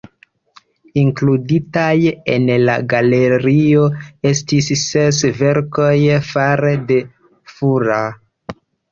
Inkluditaj en la galerio estis ses verkoj fare de Fuller.